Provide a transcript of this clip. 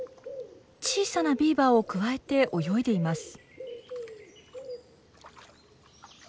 小さなビーバーをくわえて泳いでいます。